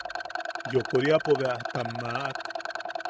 Yokoriapo bea tam maʼak.